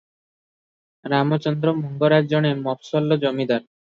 ରାମଚନ୍ଦ୍ର ମଙ୍ଗରାଜ ଜଣେ ମଫସଲର ଜମିଦାର ।